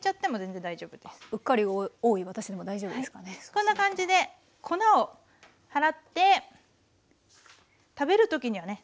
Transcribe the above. こんな感じで粉を払って食べる時にはね